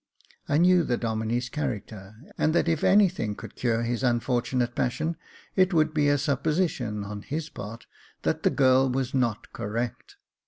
I knew the Domine's character, and that if anything could cure his unfortunate passion, it would be a supposi tion, on his part, that the girl was not correct.